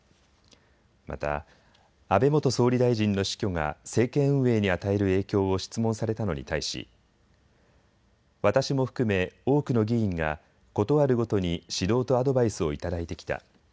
また安倍元総理大臣の死去が政権運営に与える影響を質問されたのに対し私も含め多くの議員がことあるごとに指導とアドバイスをいただいてきた。